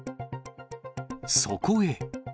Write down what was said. そこへ。